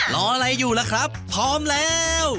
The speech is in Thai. รออะไรอยู่ล่ะครับพร้อมแล้ว